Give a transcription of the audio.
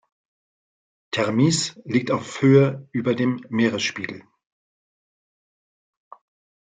Termiz liegt auf Höhe über dem Meeresspiegel.